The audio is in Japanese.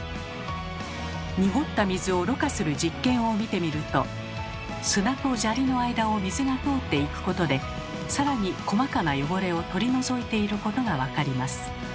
濁った水をろ過する実験を見てみると砂と砂利の間を水が通っていくことで更に細かな汚れを取り除いていることが分かります。